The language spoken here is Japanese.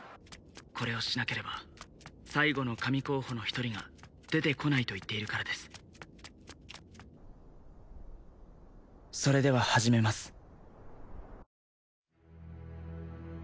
これをしなければ最後の神候補の一人が出てこないと言っているからですそれでは始めます